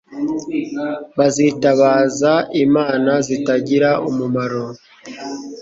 bazitabaza imana zitagira umumaro